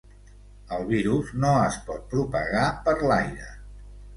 El virus no es pot propagar per l’aire.